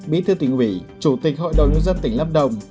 bí thư tỉnh hủy chủ tịch hội đồng dân tỉnh lâm đồng